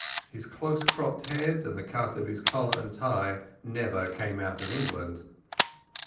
His close cropped head and the cut of his collar and tie never came out of England.